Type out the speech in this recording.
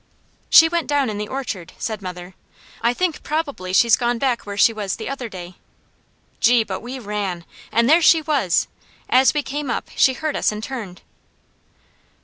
"She went down in the orchard," said mother. "I think probably she's gone back where she was the other day." Gee, but we ran! And there she was! As we came up, she heard us and turned.